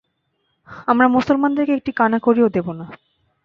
আমরা মুসলমানদেরকে একটি কানাকড়িও দেব না।